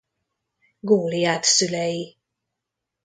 Góliát szülei.